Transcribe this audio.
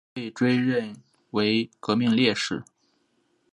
后被追认为革命烈士。